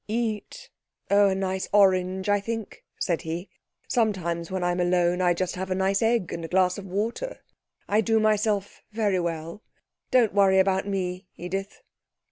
Eat? Oh a nice orange, I think,' said he. Sometimes when I'm alone I just have a nice egg and a glass of water, I do myself very well. Don't worry about me, Edith.'